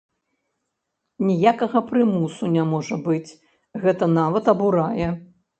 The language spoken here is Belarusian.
Ніякага прымусу не можа быць, гэта нават абурае.